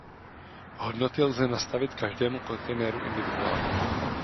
Hodnoty lze nastavit každému kontejneru individuálně.